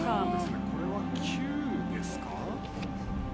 これは球ですか？